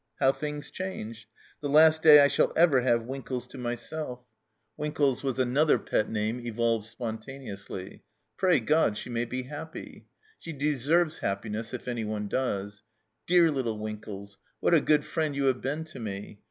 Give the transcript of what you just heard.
How things change ! The last day I shall ever have Winkles to myself ! (Winkles was ENTER ROMANCE 259 another pet name evolved spontaneously.) Pray God she may be happy ! She deserves happiness, if anyone does. Dear little Winkles, what a good friend you have been to me